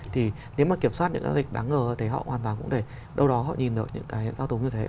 thì nếu mà kiểm soát những giao dịch đáng ngờ thì họ hoàn toàn cũng để đâu đó họ nhìn được những cái giao tống như thế